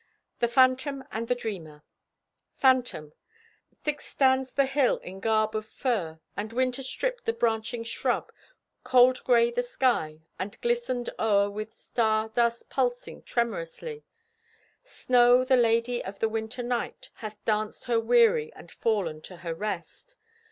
THE PHANTOM AND THE DREAMER Phantom: Thick stands the hill in garb of fir, And winter stripped the branching shrub. Cold gray the sky, and glistered o'er With star dust pulsing tremorously. Snow, the lady of the Winter Knight, Hath danced her weary and fallen to her rest.